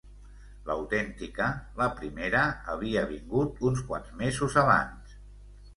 L'autèntica, la primera, havia vingut uns quants mesos abans.